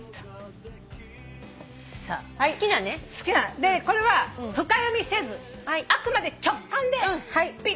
でこれは深読みせずあくまで直感でピッと。